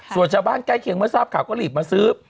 ส่วนชาวบ้านใกล้เคียงเมื่อทราบข่าวก็รีบมาซื้อ